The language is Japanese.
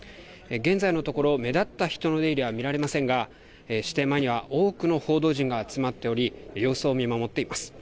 現在のところ目立った人の出入りは見られませんが私邸前には多くの報道陣が集まっており様子を見守っています。